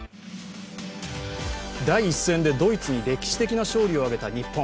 第１戦でドイツに歴史的勝利を挙げた日本。